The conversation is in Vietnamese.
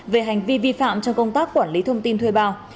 về hành vi vi phạm trong công tác quản lý thông tin thuê bao